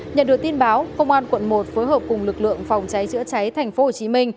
nhận được tin báo công an quận một phối hợp cùng lực lượng phòng cháy chữa cháy tp hcm